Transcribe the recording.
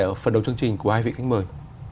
ở phần đầu chương trình của hai vị khách mời